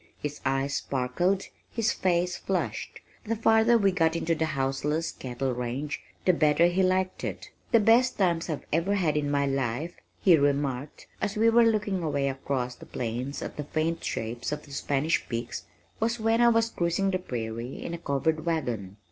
His eyes sparkled, his face flushed. The farther we got into the houseless cattle range, the better he liked it. "The best times I've ever had in my life," he remarked as we were looking away across the plain at the faint shapes of the Spanish Peaks, "was when I was cruising the prairie in a covered wagon."